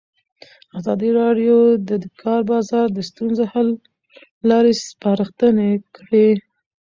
ازادي راډیو د د کار بازار د ستونزو حل لارې سپارښتنې کړي.